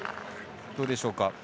どうでしょうか。